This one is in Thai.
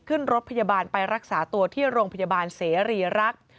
ขึ้นรถพยาบาลไปรักษาตัวที่โรงพยาบาลเสรีรักษ์